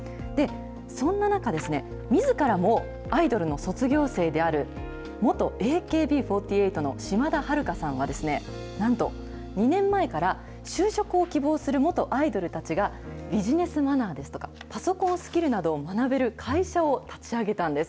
そんな中、みずからもアイドルの卒業生である元ＡＫＢ４８の島田晴香さんは、なんと、２年前から就職を希望する元アイドルたちがビジネスマナーですとか、パソコンスキルなどを学べる会社を立ち上げたんです。